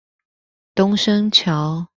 東昇橋